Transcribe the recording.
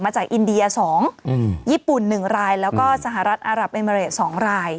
จากอินเดียสองอืมญี่ปุ่นหนึ่งรายแล้วก็สหรัฐอัรับอเมริกส์สองราย